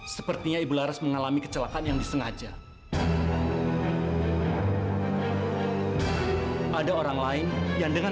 sepertinya ibu laras mengalami kecelakaan yang disengaja ada orang lain yang dengan